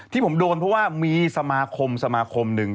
ที่ผมโดนเพราะว่ามีสมาคมสมาคมหนึ่ง